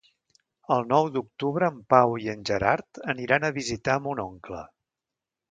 El nou d'octubre en Pau i en Gerard aniran a visitar mon oncle.